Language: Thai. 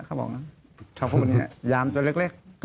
เขาพูดอย่างนี้ยามจนเล็ก